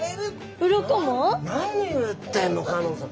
何を言ってんの香音さん。